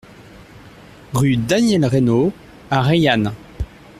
Rue Daniel Reynaud à Reillanne